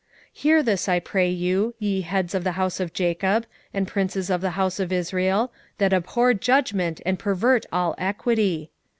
3:9 Hear this, I pray you, ye heads of the house of Jacob, and princes of the house of Israel, that abhor judgment, and pervert all equity.